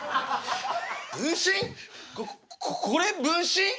こここれ分身？